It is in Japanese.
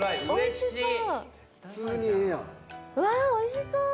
おいしそう。